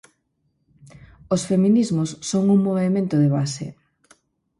Os feminismos son un movemento de base.